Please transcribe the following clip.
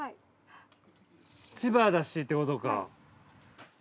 千葉だしってことか。